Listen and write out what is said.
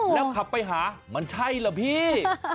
แล้วขับไปหามันใช่ล่ะพี่